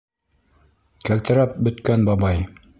Кәлтерәп бөткән бабай!